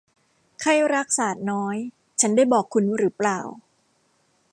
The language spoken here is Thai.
ไข้รากสาดน้อย ฉันได้บอกคุณหรือเปล่า